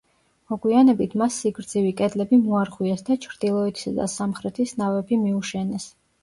მოგვიანებით, მას სიგრძივი კედლები მოარღვიეს და ჩრდილოეთისა და სამხრეთის ნავები მიუშენეს.